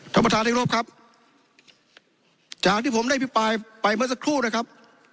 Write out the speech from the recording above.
ท่านประธานครับครับจากที่ผมได้อธิบายไปเพื่อสัเปลวนะครับ